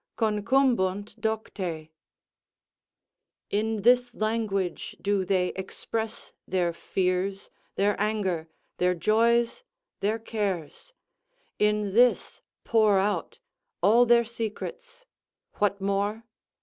Concumbunt docte;" ["In this language do they express their fears, their anger, their joys, their cares; in this pour out all their secrets; what more?